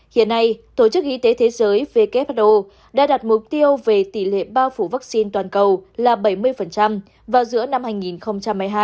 hiện nay tổ chức y tế thế giới who đã đặt mục tiêu về tỷ lệ bao phủ vaccine toàn cầu là bảy mươi vào giữa năm hai nghìn hai mươi hai